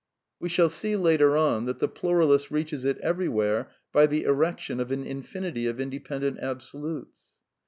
We shall see, later on, that the pluralist reaches it every where by the erection of an infinity of independent abso lutes.